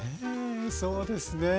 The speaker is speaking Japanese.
そうですね。